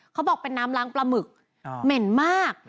เขาบอกเป็นน้ำล้างปลาหมึกเหม็นมาก